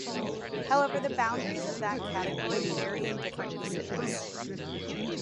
However, the boundaries of that category vary in different usages.